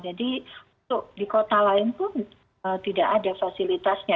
jadi di kota lain pun tidak ada fasilitasnya